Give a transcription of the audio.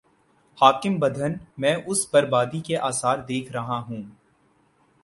خاکم بدہن، میں اس بر بادی کے آثار دیکھ رہا ہوں۔